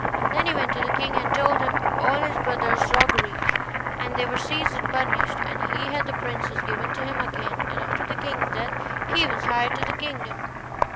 Then he went to the king, and told him all his brothers' roguery; and they were seized and punished, and he had the princess given to him again; and after the king's death he was heir to his kingdom.